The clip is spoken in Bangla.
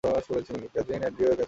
Cousin Andrew ক্যাচাডোরিয়ান।